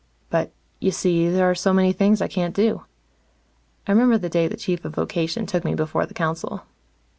But, you see, there are so many things I can't do. I remember the day the Chief of Vocation took me before the council.